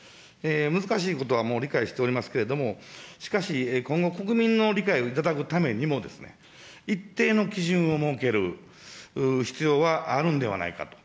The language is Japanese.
難しいことはもう、理解しておりますけれども、しかし、今後、国民の理解を頂くためにもですね、一定の基準を設ける必要はあるんではないかと。